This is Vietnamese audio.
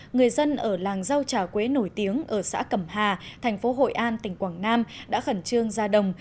người dân ở làng rau trà quế nổi tiếng ở xã cẩm hà thành phố hội an tỉnh quảng nam đã khẩn trương ra đồng